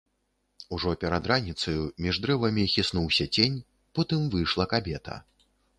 Ужо перад раніцаю між дрэвамі хіснуўся цень, потым выйшла кабета.